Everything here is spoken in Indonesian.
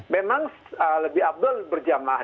memang lebih abdel berjamaah